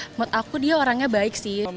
menurut aku dia orangnya baik sih